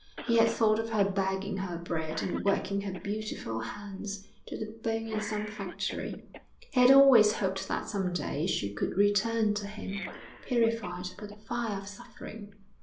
He had thought of her begging her bread and working her beautiful hands to the bone in some factory. He had always hoped that some day she could return to him, purified by the fire of suffering....